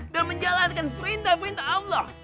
dan menjalankan perintah perintah allah